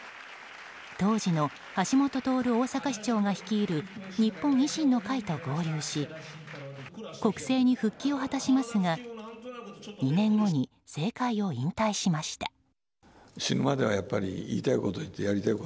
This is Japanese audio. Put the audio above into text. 当時の橋下徹大阪市長が率いる日本維新の会と合流し国政に復帰を果たしますが２年後に、政界を引退しました。